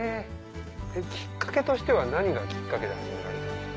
きっかけとしては何がきっかけで始められたんですか？